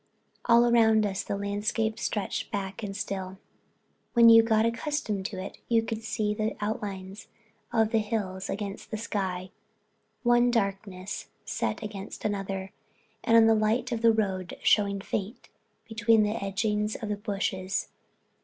All around us the landscape stretched black and still. When you got accustomed to it, you could see the outlines of the hills against the sky, one darkness set against another, and the line of the road showing faint between the edgings of bushes.